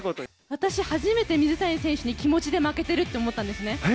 私、初めて水谷選手に気持ちで負けてるって思ったんですね。